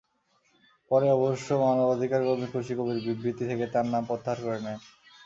পরে অবশ্য মানবাধিকারকর্মী খুশী কবির বিবৃতি থেকে তাঁর নাম প্রত্যাহার করে নেন।